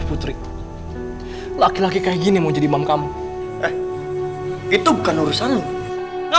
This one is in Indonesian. hai putri laki laki kayak gini mau jadi bangka quando hai itu bukan urusan enggak